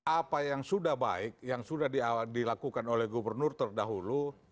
apa yang sudah baik yang sudah dilakukan oleh gubernur terdahulu